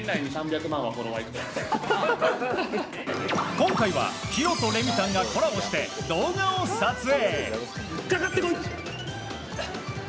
今回は弘とレミたんがコラボして動画を撮影。